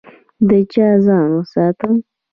له چا ځان وساتم؟